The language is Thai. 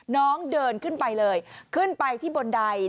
น้องเดินขึ้นไปเลยขึ้นไปที่บนใด